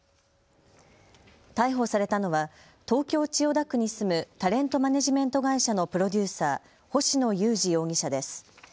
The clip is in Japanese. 逮捕されたのは東京千代田区に住むタレントマネージメント会社のプロデューサー、星野友志容疑者です。